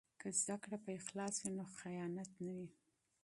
که تعلیم اخلاص وي، نو خیانت نه وي.